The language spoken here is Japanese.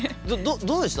どうでした？